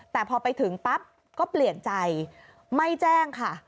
แต่พอไปถึงปั๊บก็เปลี่ยนใจไม่แจ้งค่ะ